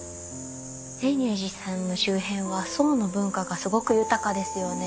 泉涌寺さんの周辺は宋の文化がすごく豊かですよね。